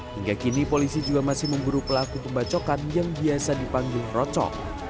hingga kini polisi juga masih memburu pelaku pembacokan yang biasa dipanggil rocok